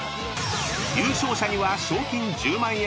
［優勝者には賞金１０万円と］